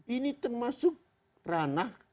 ini termasuk ranah